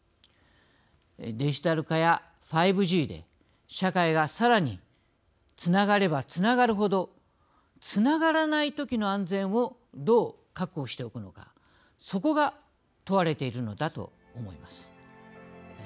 デジタル化や５Ｇで社会が、さらにつながればつながるほどつながらないときの安全をどう確保しておくのかそこが問われているのだと思います。